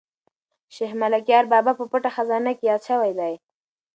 شیخ ملکیار بابا په پټه خزانه کې یاد شوی دی.